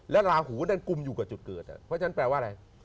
แล้วลาหูนั่นกุมอยู่กับจุดเกิดเพราะฉะนั้นแปลว่าอะไร